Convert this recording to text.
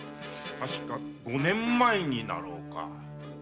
たしか五年前になろうか。